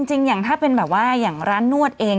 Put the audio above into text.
จริงอย่างถ้าเป็นแบบว่าอย่างร้านนวดเอง